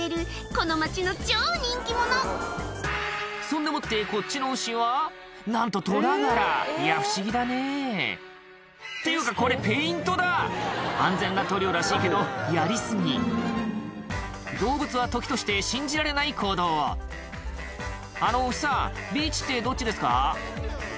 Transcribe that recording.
この町の超人気者そんでもってこっちの牛はなんとトラ柄いや不思議だねぇっていうかこれペイントだ安全な塗料らしいけどやり過ぎ動物は時として信じられない行動を「あの牛さんビーチってどっちですか？」